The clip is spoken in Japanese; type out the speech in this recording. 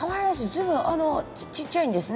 随分ちっちゃいんですね。